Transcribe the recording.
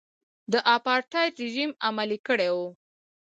د اپارټایډ رژیم عملي کړی و.